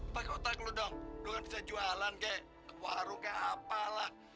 pakai otak lo dong lo kan bisa jualan ke warung ke apa lah